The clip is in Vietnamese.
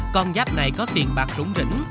con giáp này có tiền bạc rủng rỉnh